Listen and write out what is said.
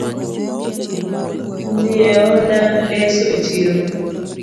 Nyieo na lesa e chiro